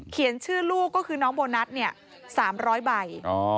ชื่อลูกก็คือน้องโบนัสเนี่ย๓๐๐ใบ